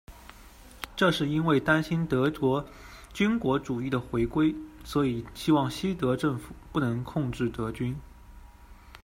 这是因为担心德国军国主义的回归，所以希望西德政府不能控制德军。